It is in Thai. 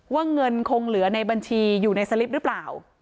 เงินคงเหลือในบัญชีอยู่ในสลิปหรือเปล่า